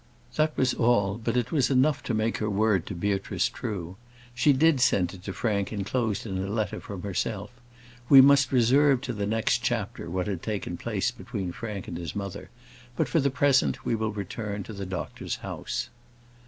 That was all, but it was enough to make her word to Beatrice true. She did send it to Frank enclosed in a letter from herself. We must reserve to the next chapter what had taken place between Frank and his mother; but, for the present, we will return to the doctor's house.